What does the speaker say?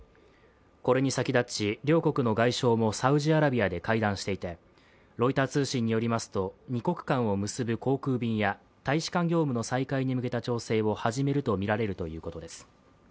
これに先立ち、両国の外相もサウジアラビアで会談していてロイター通信によりますと、二国間を結ぶ航空便や大使館業務の再開に向けた調整を始めるとみられるということです。